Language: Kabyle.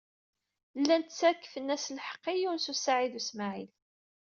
Llan ttakfen-as lḥeqq i Yunes u Saɛid u Smaɛil.